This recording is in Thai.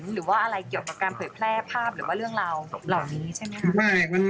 หรือว่าอะไรเกี่ยวกับการเผยแพร่ภาพหรือว่าเรื่องราวเหล่านี้ใช่ไหมคะ